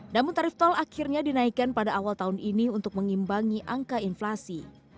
namun tarif tol akhirnya dinaikkan pada awal tahun ini untuk mengimbangi angka inflasi